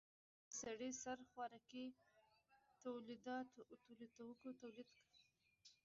د سړي سر خوراکي توکو تولید کچه دوه برابره شوه.